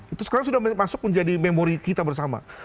itu sekarang sudah masuk menjadi memori kita bersama